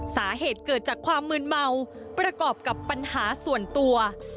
สาเหตุเกิดจากความมืนเมาประกอบกับปัญหาส่วนตัว